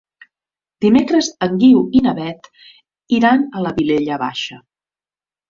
Dimecres en Guiu i na Beth iran a la Vilella Baixa.